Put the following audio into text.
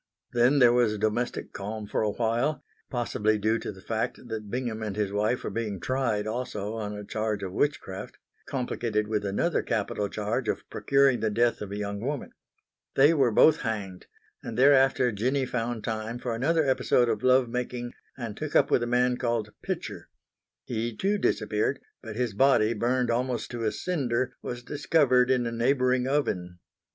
Then there was domestic calm for a while, possibly due to the fact that Bingham and his wife were being tried also on a charge of witchcraft, complicated with another capital charge of procuring the death of a young woman. They were both hanged and thereafter Jinny found time for another episode of love making and took up with a man called Pitcher. He too disappeared, but his body, burned almost to a cinder, was discovered in a neighbouring oven.